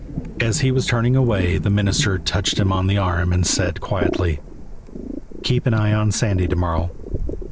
As he was turning away the minister touched him on the arm and said quietly: "Keep an eye on Sandy to morrow."